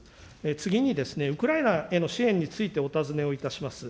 次にですね、ウクライナへの支援についてお尋ねをいたします。